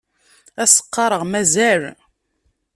Ad s-qqaṛeɣ mazal.